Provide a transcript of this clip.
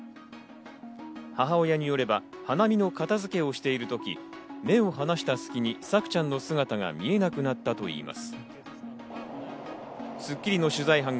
母親によれば、花見の片付けをしている時、目を離した隙に朔ちゃんの姿が見えなくなったといいます。